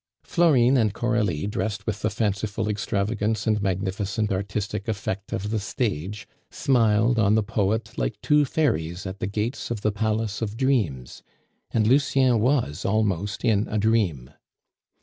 Florine and Coralie, dressed with the fanciful extravagance and magnificent artistic effect of the stage, smiled on the poet like two fairies at the gates of the Palace of Dreams. And Lucien was almost in a dream.